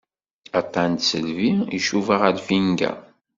Aṭṭan n tisselbi icuba ɣer lfinga.